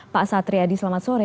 pak satri adi selamat sore